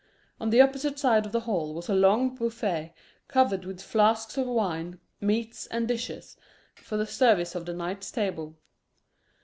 On the opposite side of the hall was a long beaufet covered with flasks of wine, meats, and dishes, for the service of the knights' table.